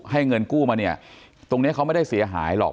เงินกู้มาเนี่ยตรงนี้เขาไม่ได้เสียหายหรอก